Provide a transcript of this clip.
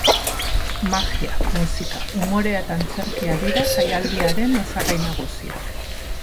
Magia, musika, umorea eta antzerkia dira jaialdiaren osagai nagusiak.